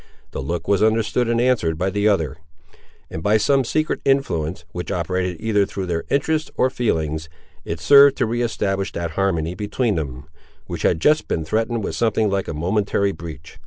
The look was understood and answered by the other; and by some secret influence, which operated either through their interests or feelings, it served to re establish that harmony between them, which had just been threatened with something like a momentary breach.